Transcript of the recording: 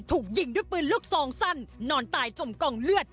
ถูกยิงด้วยปืนลูกซองสั้นนอนตายจมกองเลือด